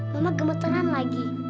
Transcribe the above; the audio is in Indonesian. mama gemeteran lagi